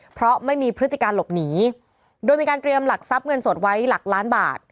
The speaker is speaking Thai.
เพราะไม่มีพฤติการหลบหนีโดยมีการเตรียมหลักทรัพย์เงินสดไว้หลักล้านบาท